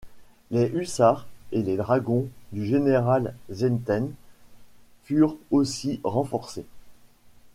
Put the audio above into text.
Les hussards et les dragons du général Zieten furent aussi renforcés.